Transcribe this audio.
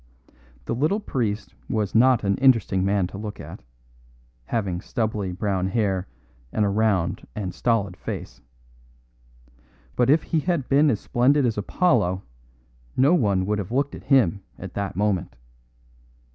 The little priest was not an interesting man to look at, having stubbly brown hair and a round and stolid face. But if he had been as splendid as Apollo no one would have looked at him at that moment.